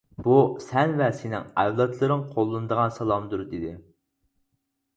بۇ سەن ۋە سېنىڭ ئەۋلادلىرىڭ قوللىنىدىغان سالامدۇر، دېدى.